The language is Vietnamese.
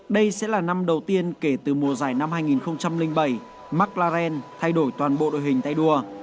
đây sẽ là năm đầu tiên kể từ mùa giải năm hai nghìn bảy mclaren thay đổi toàn bộ đội hình tay đua